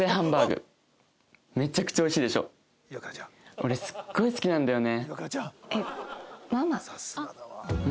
俺すごい好きなんだよね。